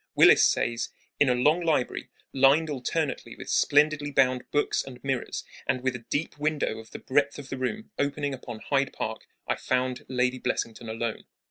Willis says: In a long library, lined alternately with splendidly bound books and mirrors, and with a deep window of the breadth of the room opening upon Hyde Park, I found Lady Blessington alone.